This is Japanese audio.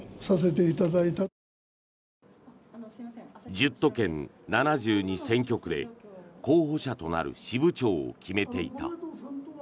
１０都県７２選挙区で候補者となる支部長を決めていた。